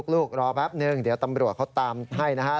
รอแป๊บนึงเดี๋ยวตำรวจเขาตามให้นะฮะ